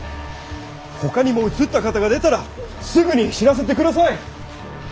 ほかにもうつった方が出たらすぐに知らせて下さい。